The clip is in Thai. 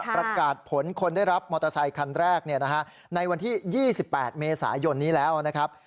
ประกาศผลคนได้รับมอเตอร์ไซคันแรกในวันที่๒๘เมษายนนี้แล้วนะครับ